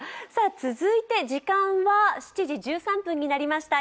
続いて、時間は７時１３分になりました。